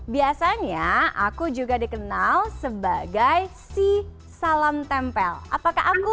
biasanya aku juga dikenal sebagai si salam tempel apakah aku